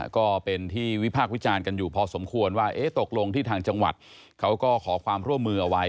ก็เป็นที่วิพากษ์วิจารณ์กันอยู่พอสมควรว่าตกลงที่ทางจังหวัดเขาก็ขอความร่วมมือเอาไว้